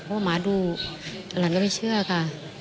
เพราะว่าหมาดูหลานก็ไม่เชื่อค่ะ